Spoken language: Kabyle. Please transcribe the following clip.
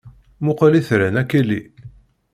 Mmuqqel itran a Kelly!